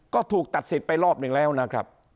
ก็ถูกตัดสิทธิ์ไปรอบหนึ่งแล้วนะครับ